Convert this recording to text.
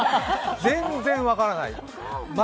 全然分からない。